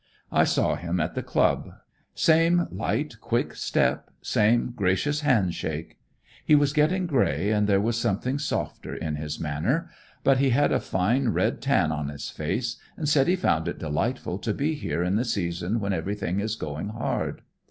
I saw him at the club; same light, quick step, same gracious handshake. He was getting gray, and there was something softer in his manner; but he had a fine red tan on his face and said he found it delightful to be here in the season when everything is going hard.